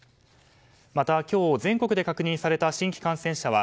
また今日、全国で確認された新規感染者は